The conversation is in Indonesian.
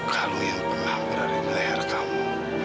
kalo yang pernah merarik leher kamu